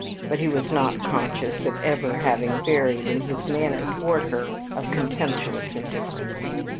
But he was not conscious of ever having varied in his manner towards her of contemptuous indifference.